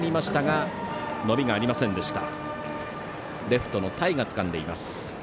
レフトの田井がつかんでいます。